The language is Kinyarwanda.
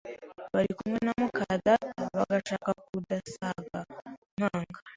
bari kumwe na mukadata bagashaka kundasaga nkanga